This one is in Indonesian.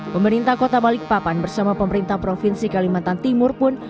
pemerintah kota balikpapan bersama pemerintah provinsi kalimantan timur pun